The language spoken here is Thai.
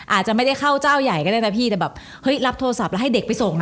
อาจจะไม่ได้เข้าเจ้าใหญ่ก็ได้นะพี่แต่แบบเฮ้ยรับโทรศัพท์แล้วให้เด็กไปส่งนะ